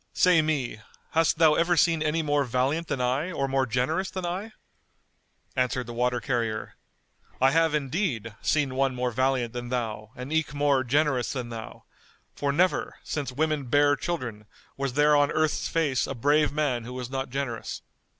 Say me, hast thou ever seen any more valiant than I or more generous than I?" Answered the water carrier; "I have indeed, seen one more valiant than thou and eke more generous than thou; for, never, since women bare children, was there on earth's face a brave man who was not generous."